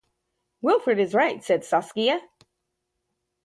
"Wilfred is right," said Saskia.